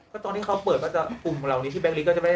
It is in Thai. ก็ตอนที่เขาเปิดว่าจะปุ่มเหล่านี้ที่แบงค์ลิกก็จะไม่ให้เปิด